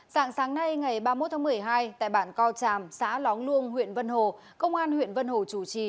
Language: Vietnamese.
dạng sáng nay ngày ba mươi một tháng một mươi hai tại bản co tràm xã lóng luông huyện vân hồ công an huyện vân hồ chủ trì